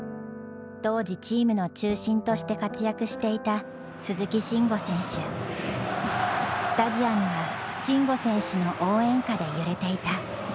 当時チームの中心として活躍していたスタジアムは慎吾選手の応援歌で揺れていた。